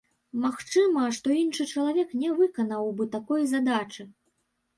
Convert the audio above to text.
Магчыма, што іншы чалавек не выканаў бы такой задачы.